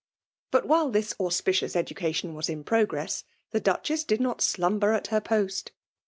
But while this auspicious education was in progress, the Duchess did not slumber at her post.